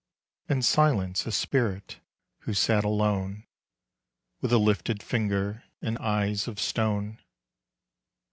And Silence, a spirit who sat alone With a lifted finger and eyes of stone.